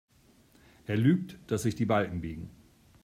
Er lügt, dass sich die Balken biegen.